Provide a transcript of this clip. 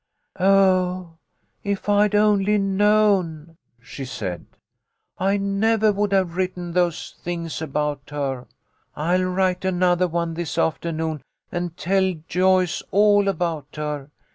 "Oh, if I'd only known," she said, "I never would have written those things about her. I'll write another one this afternoon, and tell Joyce all about her.